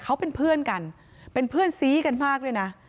เขาเป็นเพื่อนกันเป็นเพื่อนซี้กันมากด้วยนะ